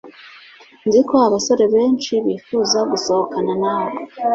nzi ko abasore benshi bifuza gusohokana nawe